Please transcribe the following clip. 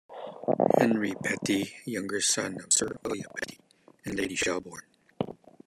Henry Petty, younger son of Sir William Petty and Lady Shelburne.